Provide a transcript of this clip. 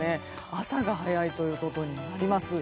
朝が早いということになります。